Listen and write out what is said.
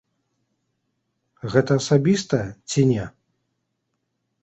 Гэта асабістая ці не?